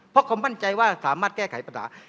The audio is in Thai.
เพราะเขามั่นใจว่าสามารถแก้ไขปัญหา